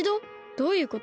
どういうこと？